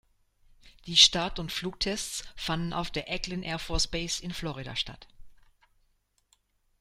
Die Start- und Flugtests fanden auf der Eglin Air Force Base in Florida statt.